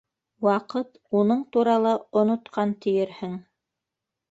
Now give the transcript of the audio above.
Ваҡыт уның турала онотҡан тиерһең.